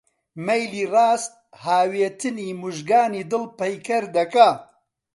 مەیلی ڕاست هاوێتنی موژگانی دڵ پەیکەر دەکا؟!